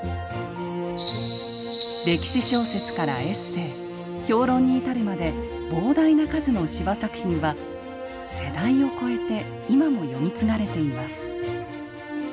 歴史小説からエッセイ評論に至るまで膨大な数の司馬作品は世代を超えて今も読み継がれています。